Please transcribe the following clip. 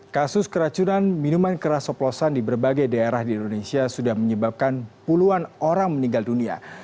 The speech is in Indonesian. kasus keracunan minuman keras oplosan di berbagai daerah di indonesia sudah menyebabkan puluhan orang meninggal dunia